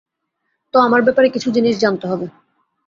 তো, আমার ব্যাপারে কিছু জিনিস জানতে হবে।